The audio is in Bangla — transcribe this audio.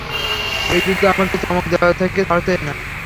এই যুদ্ধ আমাকে চমক দেওয়া থেকে ছাড়ছেই না!